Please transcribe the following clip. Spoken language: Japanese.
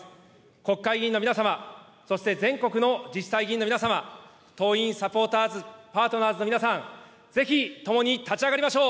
国会議員の皆様、そして全国の自治体議員の皆様、党員・サポーターズ・パートナーズの皆さん、ぜひ、共に立ち上がりましょう。